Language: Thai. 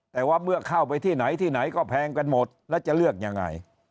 แต่ว่าเมื่อเข้าไปที่ไหนที่ไหนก็แพงกันหมดแล้วจะเลือกยังไง